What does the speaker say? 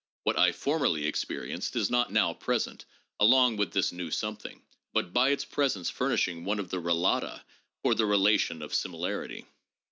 What I formerly experienced is not now present along with this new something, and by its presence furnishing one of the ' relata ' for the relation of similarity.